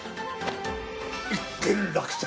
一件落着。